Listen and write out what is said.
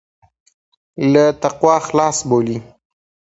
له تقوا خلاص بولي.